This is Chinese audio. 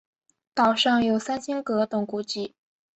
岛上有三清阁等古迹。